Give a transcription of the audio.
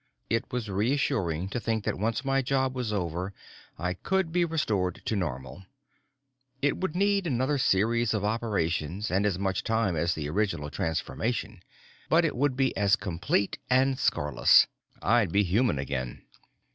It was reassuring to think that once my job was over, I could be restored to normal. It would need another series of operations and as much time as the original transformation, but it would be as complete and scarless. I'd be human again.